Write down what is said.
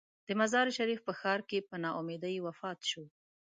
د مزار شریف په ښار کې په نا امیدۍ وفات شو.